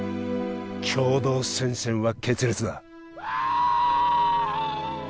共同戦線は決裂だワーッ！